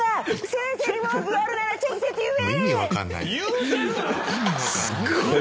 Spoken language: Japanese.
先生に文句があるなら直接言え！